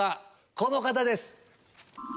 この方です！